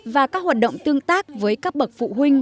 và các hoạt động tương tác với các bậc phụ huynh